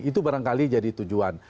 itu barangkali jadi tujuan